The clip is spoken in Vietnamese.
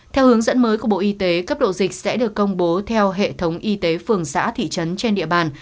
theo hướng dẫn mới của bộ y tế cấp độ dịch sẽ được công bố theo hệ thống y tế phường xã thị trấn trên địa bàn